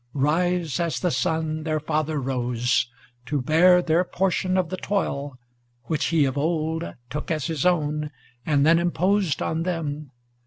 Rise, as the Sun their father rose, to bear Their portion of the toil which he of old Took as his own and then imposed on them.